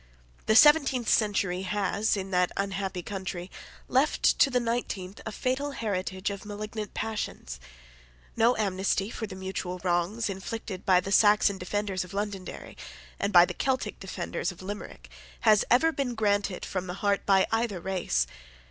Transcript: The seventeenth century has, in that unhappy country, left to the nineteenth a fatal heritage of malignant passions. No amnesty for the mutual wrongs inflicted by the Saxon defenders of Londonderry, and by the Celtic defenders of Limerick, has ever been granted from the heart by either race.